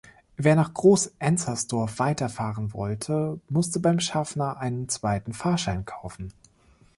Wer nach Groß-Enzersdorf weiterfahren wollte, musste beim Schaffner einen zweiten Fahrschein kaufen.